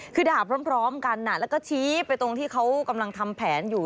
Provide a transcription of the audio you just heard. คือด่าพร้อมกันแล้วก็ชี้ไปตรงที่เขากำลังทำแผนอยู่